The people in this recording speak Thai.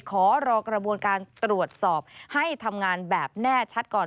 ขอรอกระบวนการตรวจสอบให้ทำงานแบบแน่ชัดก่อน